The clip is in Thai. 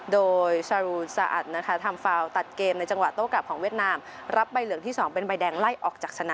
โดยซารูซาอัดนะคะทำฟาวตัดเกมในจังหวะโต้กลับของเวียดนามรับใบเหลืองที่๒เป็นใบแดงไล่ออกจากชนะ